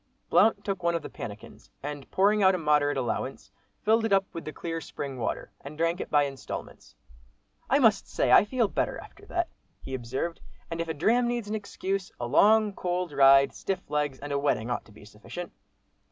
Blount took one of the pannikins, and pouring out a moderate allowance, filled it up with the clear spring water, and drank it by instalments. "I must say I feel better after that," he observed, "and if a dram needs an excuse, a long, cold ride, stiff legs, and a wetting ought to be sufficient."